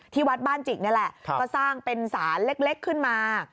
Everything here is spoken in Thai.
ที่บ้านจิกนี่แหละก็สร้างเป็นสารเล็กขึ้นมา